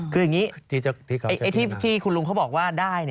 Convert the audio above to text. คืออย่างนี้ที่คุณลุงเขาบอกว่าได้